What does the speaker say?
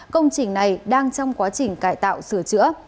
công trình này đang trong quá trình cải tạo sửa chữa